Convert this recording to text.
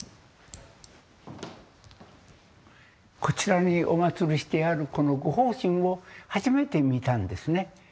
こちらにお祀りしてあるこの護法神を初めて見たんですね。